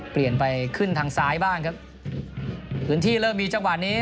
เปลี่ยนไปขึ้นทางซ้ายบ้างครับพื้นที่เริ่มมีจังหวะนี้